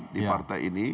di partai ini